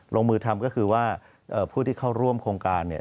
ลงมือทำก็คือว่าผู้ที่เข้าร่วมโครงการเนี่ย